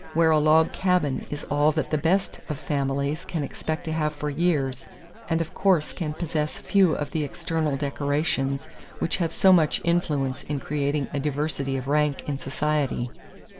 Where a log cabin is all that the best of families can expect to have for years and of course can possess few of the external decorations which have so much influence in creating a diversity of rank in society.